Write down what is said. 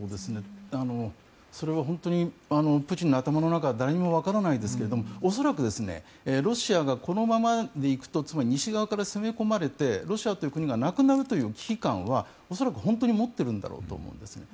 それは本当にプーチンの頭の中は誰にもわからないですが恐らくロシアがこのままで行くとつまり西側から攻め込まれてロシアという国がなくなるという危機感は恐らく本当に持っているんだと思うんですね。